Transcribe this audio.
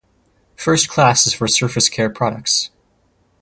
Firstclass is for Surface care products.